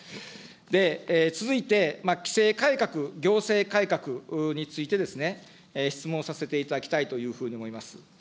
で、続いて規制改革、行政改革についてですね、質問させていただきたいというふうに思います。